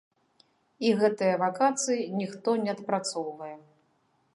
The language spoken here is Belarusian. І гэтыя вакацыі ніхто не адпрацоўвае.